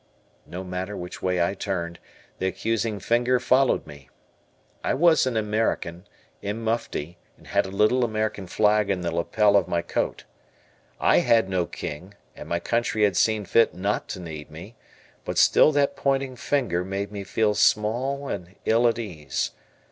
No matter which way I turned, the accusing finger followed me. I was an American, in mufti, and had a little American flag in the lapel of my coat. I had no king, and my country had seen fit not to need me, but still that pointing finger made me feel small and ill at ease.